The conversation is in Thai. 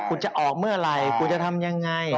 กูจะออกเมื่อไรกูจะทำอย่างไร